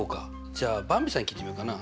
じゃあばんびさんに聞いてみようかな。